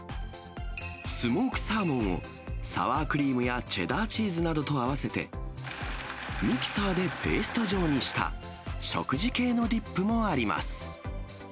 スモークサーモンをサワークリームやチェダーチーズなどと合わせて、ミキサーでペースト状にした食事系のディップもあります。